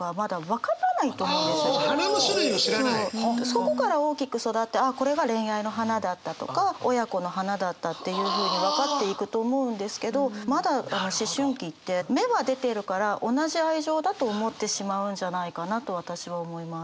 そこから大きく育ってあっこれが恋愛の花だったとか親子の花だったっていうふうに分かっていくと思うんですけどまだ思春期って芽は出てるから同じ愛情だと思ってしまうんじゃないかなと私は思います。